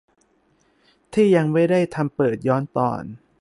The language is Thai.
ที่ยังไม่ได้ทำเปิดย้อนตอน